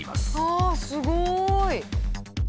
ああすごい！